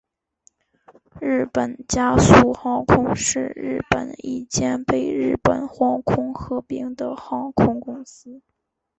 日本佳速航空是日本一间被日本航空合并的航空公司。